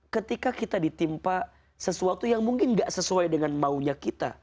ketika kita ditimpa sesuatu yang mungkin gak sesuai dengan maunya kita